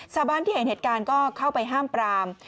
ชาวบ้านที่เห็นเหตุการณ์ก็เข้าไปห้ามปราม